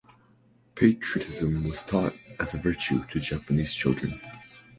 Patriotism was taught as a virtue to Japanese children.